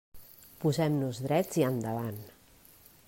Posem-nos drets i endavant.